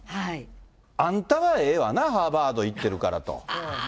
あんたはええわな、ハーバード行ってるからと。